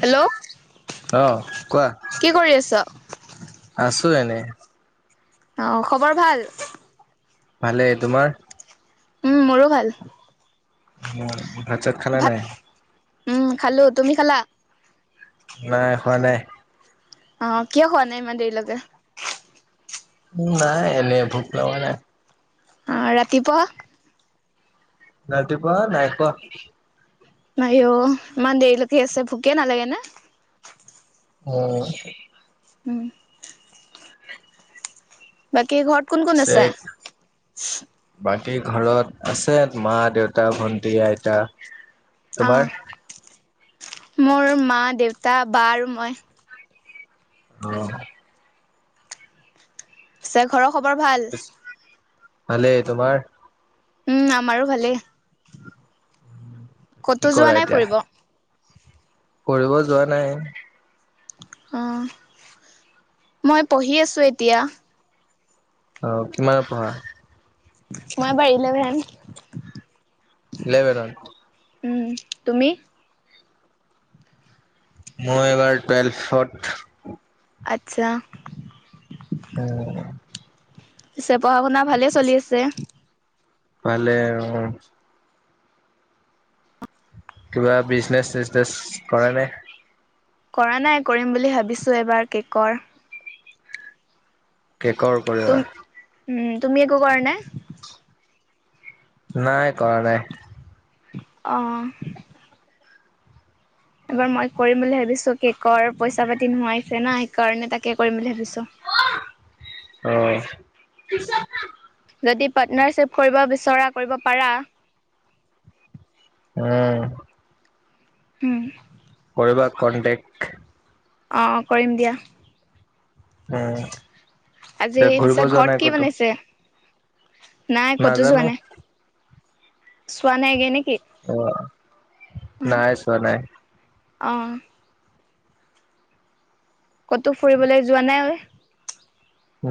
Hello কোৱা। কি কৰি আছ। আছো এনে। অ, খবৰ ভাল? ভালে, তোমাৰ? উম, মোৰো ভাল। [inaudible] ভাত, নাই? উম, খালো তুমি খালা? নাই হোৱা নাই। অ, কিয় হোৱা নাই ইমান দেৰিলৈকে। নাই এনে ভোক লগা নাই। অ, ৰাতিপুৱা? ৰাতিপুৱা নাই খোৱা। আইও, অ, ইমান দেৰিলৈকে আছে ভোকে নালাগে ন, উম, উম, বাকী ঘৰত কোন কোন আছে? চেক বাকী ঘৰত আছে মা, দেউতা, ভন্টি, আইতা। অ, তোমাৰ? মোৰ মা দেউতা বা আৰু মই। উম, পিছে ঘৰৰ খবৰ ভাল। ভালে, তোমাৰ? উম্ আমাৰো ভালেই, কি ক'তো যোৱা নাই ফুৰিব? ফুৰিব যোৱা নাই। অ', মই পঢ়ি আছো এতিয়া। অ' কিমানত পঢ়া? মই এইবাৰ ইলেভেন। ইলেভেনত। উম্, তুমি? মই এবাৰ টুৱেলফত। আচ্ছা। অ'। পিছে পঢ়া-শুনা ভালে চলি আছে। ভালে আৰু উম্। কিবা বিজনেচ-চিজনেচ কৰা নে? কৰা নাই কৰিম বুলি ভাবিছোঁ এইবাৰ কেকৰ। কেকৰ কৰিবা। উম্, তুমি একো কৰা নাই? নাই কৰা নাই। অ'। এবাৰ মই কৰিম বুলি ভাবিছো কেকৰ, পইচা পাতি নোহাইছে না সেইকাৰণে তাকে কৰিম বুলি ভাবিছো। অ'। যদি পাৰ্টনাৰশ্বিপ কৰিব বিচৰা কৰিব পাৰা। উম্। উম্। কৰিবা কণ্টেক। অ' কৰিম দিয়া। উম্। আজি পিছে ঘৰত কি বনাইছে? নাই কতো নাজানো যোৱা নাই। চোৱা নাইগে নেকি? অ' অ নাই চোৱা নাই। অ'। ক'তো ফুৰিবলৈ যোৱা নাই ঐ।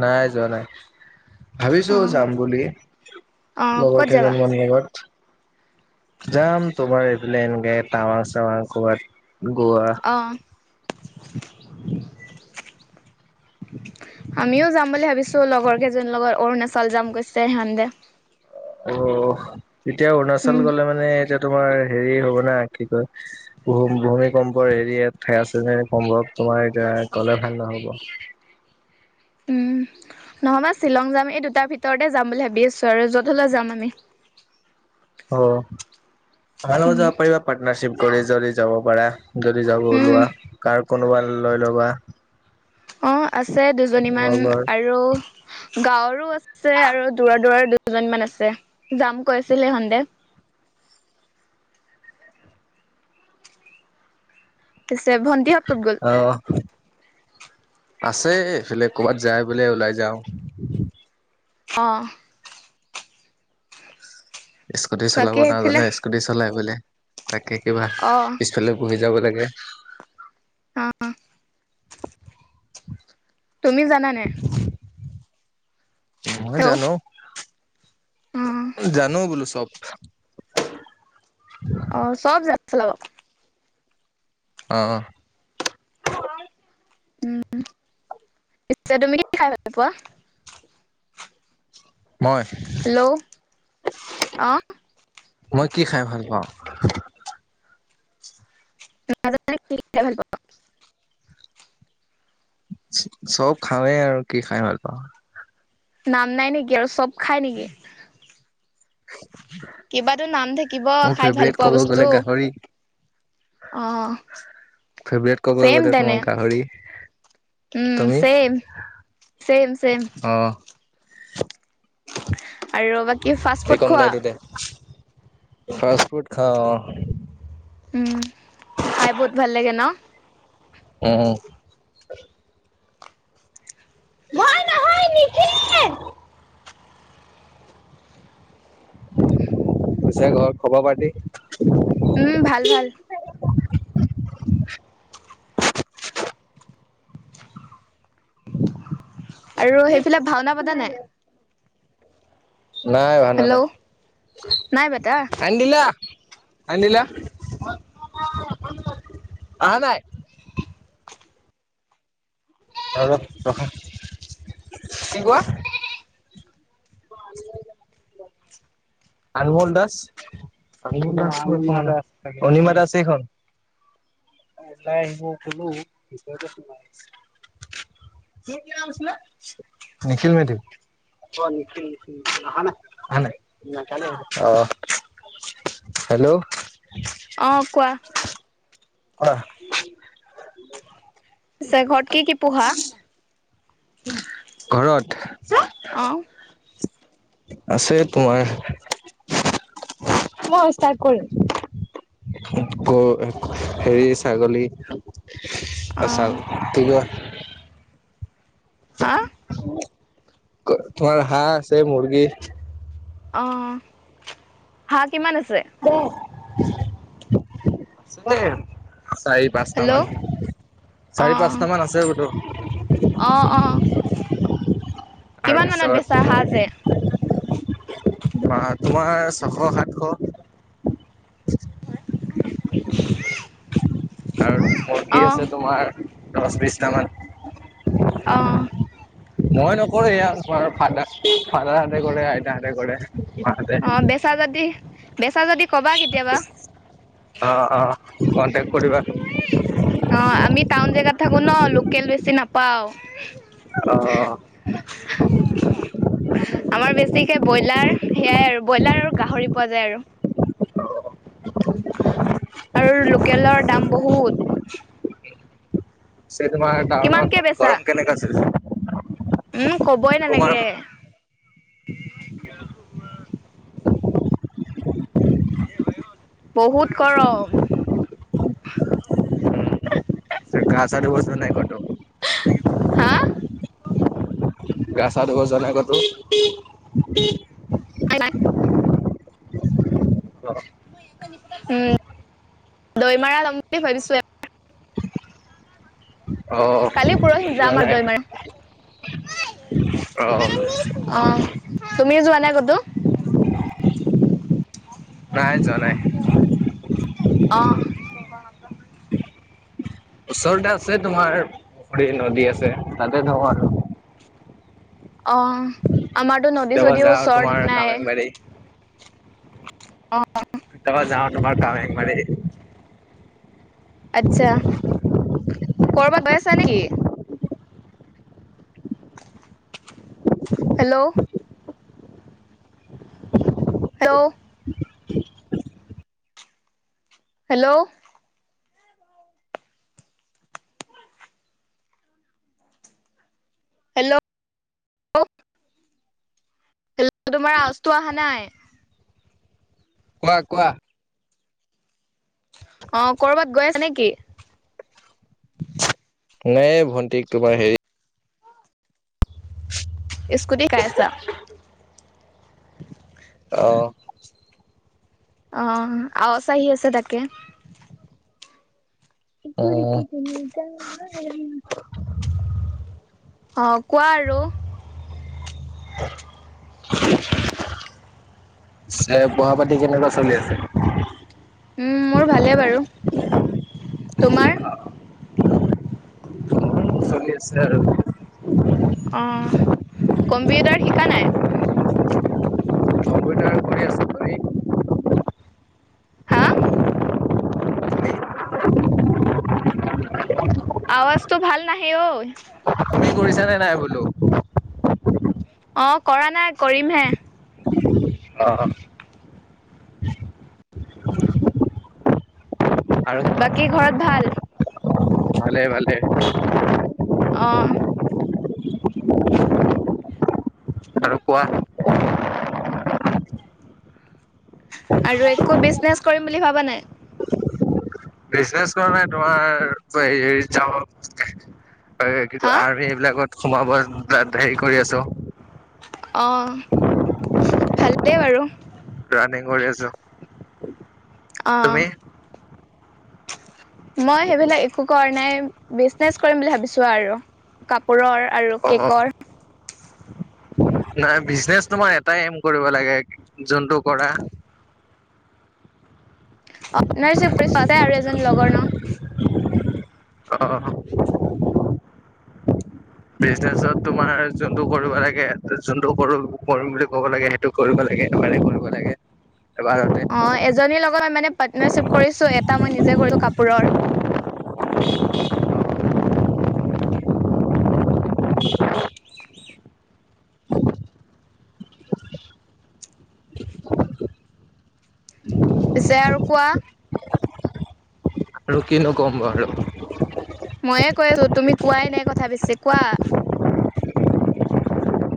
নাই যোৱা নাই। অ ভাবিছো যাম বুলি, অ ক'ত লগৰ যাবা কেইজন মানৰ লগত। যাম তোমাৰ এৰ'প্লেনগেট, টাৱাং-চাৱাং ক'বাত, গোৱা অ'। আমিওঁ যাম বুলি ভাবিছো লগৰ কেইজনীৰ লগত, অৰুণাচল যাম কৈছে সিহঁতে। অ' এতিয়া অৰুণাচল উম গ'লে মানে এতিয়া তোমাৰ হেৰি হ'ব না কি কয় ভূম ভূমিকম্পৰ এৰিাত ঠে চে কম্ তোমাৰ এতিয়া গলে ভাল নহ'ব। উম [inaudible] নহ'বা শ্বিলং যাম এই দুটাৰ ভিতৰতে যাম বুলি ভাবি আছো আৰু য'ত হলো যাম আমি। অ আমাৰ লগত উম যাব পাৰিবা পাৰ্টনাৰশ্বিপ কৰি, যদি যাব পাৰা। যদি যাব উম ওলোৱা কাৰ কোনোবা লৈ ল'বা। অঁ আছে দুজনীমান লগৰ আৰু, গাঁৱৰো আছে আৰু দূৰৰ দূৰৰ দুজনী মান আছে যাম কৈছিল সিহঁতে। পিছে ভণ্টি হত ক'ত গ'ল? আহ আছে এইফালে ক'বাত যায় বোলে ওলাই যাও। অঁ স্কুটি চলাব বাকী সেইফালে নাজানে স্কুটি চলাই বোলে, তাকে কিবা অ পিছফালে বহি যাব লাগে। অ তুমি জানানে? মই হেল্ল' জানোঁ, অ জানো বোলো চব। অহ, চব [unintelligible] অহ। উম, পিছে তুমি কি খায় ভাল পোৱা? মই? হেল্ল' অহ। মই কি খায় ভাল পাওঁ। [unintelligible] কি খায় ভাল পোৱা। চব খাওঁয়েই আৰু কি খায় ভাল পাওঁ। নাম নাই নেকি আৰু চব খায় নেকি? [unintelligible] কিবাতো নাম থাকিব মোৰ খায় ভাল ফেভৰেট পোৱা ক'ব বস্তু। গ'লে গাহৰি অহ, ফেভৰেট ক'ব চেম গ'লে তোমাৰ তেনে। গাহৰি উম, তুমি চেম, চেম-চেম। অহ, আৰু বাকী ফাষ্ট এই ফুড কন খোৱা ওলাই দিওঁ দে। ফাষ্ট ফ্ৰোড খাওঁ অহ। উম, খায় বহুত ভাল লাগে ন'। উম। নাই নহয় নিখিল। পিছে ঘৰত খবৰ পাতি। উম, ভাল-ভাল। আৰু দে সেইফিলে ভাওনা তোমাৰ পাতেনে দে। নাই? নাই ভাওনা হেল্ল' নাই। নাই পাতা আন দিলা, আন দিলা। আহা নাই? অলপ ৰখা। কি কোৱা? আনমোল দাস। অনিমা [unintelligible] অনিমা দাস এইখন। ওলাই আহিব কলো ভিতৰতে সোমাই আছে। সেয়া কিয়া কৈছিলা? নিখিল মেধি। অহ, নিখিল-নিখিল-নিখিল আহা নাই। আহা নাই। নাই কালি আহিব। অহ, হেল্ল'। অহ, কোৱা? [unintelligible] পিছে ঘৰত কি কি পোহা? ঘৰত? অ আছে তোমাৰ। মই ষ্টাৰ্ট কৰিম। গ হেৰি ছাগলী। আহ চা অ তো কোৱা। হা! [unintelligible] তোমাৰ হাঁহ আছে মুৰ্গী। অহ, হাঁহ কিমান আছে? [unintelligible] আছেদে। চাৰি পাঁচটামান, হেল্ল' চাৰি পাঁচটামান আছে বোলো। অহ', অহ' কিমান মানত বেচাৰ হাঁহ যে। অহ, তোমাৰ ছয়শ-সাতশ। [unintelligible] আৰু মুৰ্গী অ আছে তোমাৰ দহ বিশটামান। অহ। [inaudible] মই নকৰো এয়া তোমাৰ ফাদাৰ ফাদাৰহঁতে কৰে আইতাহঁতে কৰে মাহঁতে অ বেচা যদি বেচা যদি কবা কেতিয়াবা অ', অ', কণ্টেক্ট কৰিবা অ', আমি টাউন জেগাত থাকো ন লোকেল বেছি নাপাওঁ অ', অ'। আমাৰ বেছিকে ব্ৰইলাৰ সেয়াই আৰু ব্ৰইলাৰ আৰু গাহৰি পোৱা যায় আৰু। আৰু লোকেলৰ দাম বহুত। যে তোমাৰ কিমানকে টাউনত বেচা গৰম কেনেকা আছিল। উম ক'বই নালাগে। বহুত গৰম। ঘছাৰ বস্তু নাই কটো [unintelligible] হা। গা ছা ধুব যোৱা নাই ক'তো। নাই। উ [unintelligible] উম দৈমাৰা লম বুলি ভাবিছোঁ [unintelligible] অ'। কলি পৰহি যোৱা যাম নাই আৰু দৈমাৰী। অ'। অ', তুমি যোৱা নাই ক'তো। নাই যোৱা নাই। অহ। ওচৰতে আছে, তোমাৰ পুখুৰী, নদী আছে তাতে যাওঁ আৰু। অ', আমাৰতো নদী, কেতিয়াবা চদী যাওঁ তোমাৰ ওচৰত নাই। কামেংবাৰী অ'। তাব যাওঁ, তাবাৰ গা হেঙ মাৰে। [unintelligible] আচ্ছা কৰবাত গৈ আছা নেকি? Hello. Hello. Hello? Hello. Hello তোমাৰ আজটো অহা নাই। কোৱা, কোৱা। [inaudible] অ', কৰ'বাত গৈ আছে নেকি? নাই ভণ্টিক তোমাৰ হেৰি [inaudible] স্কুটি শিকাই আছা। [inaudible] অ'। অহ, আজাচ আহি আছে তাকে। [inaudible] অ', কোৱা আৰু। পিচে, পহা, পাতি কেনেকুৱা চলি আছে। মোৰ ভালেই বাৰু, তোমাৰ? চলি আছে আৰু। অ', কম্পিউটাৰ শিকা নাই। কম্পিউটাৰ কৰি আছো তুমি? হা। আৱাজতো ভাল নাহি ঐ। [unintelligible] নে নাই বোলো। অ', কৰা নাই, কৰিমহে। অ', অ'। আৰু কোৱা? বাকী ঘৰত ভাল? ভালে, ভালে। অ'। আৰু কোৱা। আৰু একো বিজনেচ কৰিম বুলি ভাবা নাই। বিজনেছ কৰা নাই, তোমাৰ হেৰিত যাওঁ আৰু পুটোকে। এই কি কৈ, হা আৰ্মি এইবিলাকত সোমাব হেৰি কৰি আছো। অ', ভালদেই বাৰু। ৰানিং কৰি আছো। তুমি অ'। [inaudible] মই সেইবিলাক একো কৰা নাই, বিজনেচ কৰিম বুলি ভাবিছো আৰু কাপোৰৰ। আৰু অ কেকৰ। নাই বিজনেচ তোমাৰ এটাই এম কৰিব লাগে, যোনটো কৰা। আপোনাৰ [unintelligible] চোৱাতে আৰু এজন লগৰ নহ। অ'। বিজনেচত তোমাৰ যোনটো কৰিব লাগে, যোনটো কৰো কৰিম বুলি ক'ব লাগে সেইটো কৰিব লাগে, একেবাৰে কৰিব লাগে, এবাৰতে অ', এজনীৰ লগত মই মানে পাৰ্টনাৰশ্বিপ কৰিছো, এটা মই নিজে কৰিছো কাপোৰৰ। [inaudible] পিছে আৰু কোৱা। আৰু কিনো ক'ম বাৰু। মইয়ে কৈ আছো, তুমি কোৱাই নাই কথা পিছে কোৱা?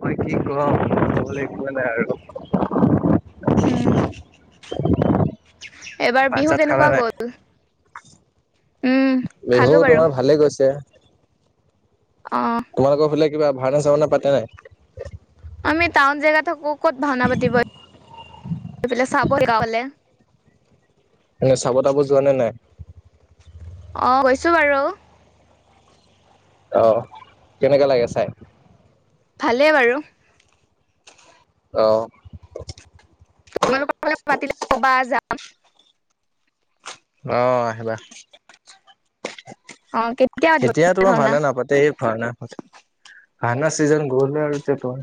মই কি ক'ম [unintelligible] নাই আৰু। উম, এইবাৰ ভাত বিহু চাত খালা কেনেকুৱা নাই গ'ল? উম বিহু খালো বাৰু তোমাৰ, ভালে গৈছে। অহ। তোমালোকৰ ফালে কিবা, ভাওনা চাওনা পাতে নাই? আমি টাউন জেগাত থাকো, ক'ত ভাওনা পাতিব [unintelligible] চাবলে। মানে চাব তাব যোৱা নে নাই? অ', গৈছো বাৰু। অ', কেনেকা লাগে চাই? ভালে বাৰু। অ'। তোমালোকৰ ফালে পাতিলে ক'বা, যাম। অ', আহিবা। অ কেতিয়া এতিয়া পাতিব তোমাৰ ভাওনা নাপাতে, ভাওনা ভাওনাৰ চিজন গলগে আৰু ত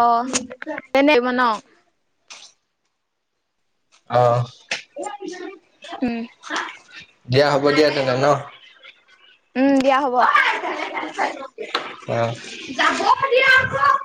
অ', তেনেই মান অহ। উম। দিয়া হ'ব দিয়া, তেনে'লে নহ। উম দিয়া হ'ব আহ।